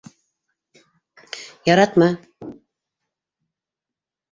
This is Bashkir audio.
Яратма...